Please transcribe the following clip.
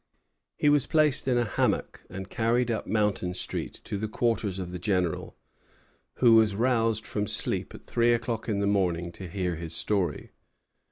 He was placed in a hammock and carried up Mountain Street to the quarters of the General, who was roused from sleep at three o'clock in the morning to hear his story.